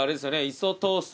磯トースト？